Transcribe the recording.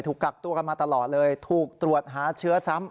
กักตัวกันมาตลอดเลยถูกตรวจหาเชื้อซ้ำ